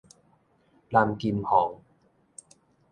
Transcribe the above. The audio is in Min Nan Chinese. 藍金黃